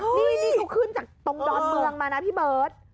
นี่เขาขึ้นจากตรงดอนเมืองมานะพี่เบิร์ต